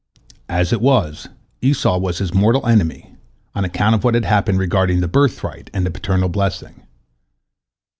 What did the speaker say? As it was, Esau was his mortal enemy, on account of what had happened regarding the birthright and the paternal blessing.